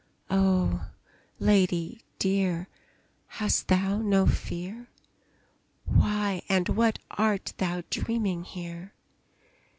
Oh, lady dear, hast thou no fear? Why and what art thou dreaming here?